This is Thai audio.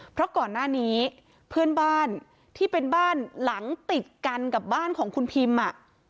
เพราะก่อนหน้านี้เพื่อนบ้านที่เป็นบ้านหลังติดกันกับบ้านของคุณพิมอ่ะ